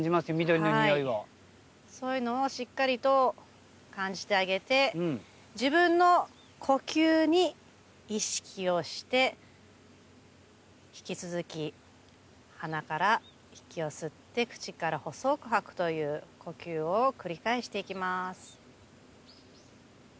そういうのをしっかりと感じてあげて自分の呼吸に意識をして引き続き鼻から息を吸って口から細く吐くという呼吸を繰り返していきます。